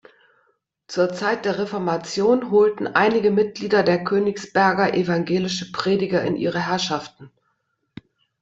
Zur Zeit der Reformation holten einige Mitglieder der Königsberger evangelische Prediger in ihre Herrschaften.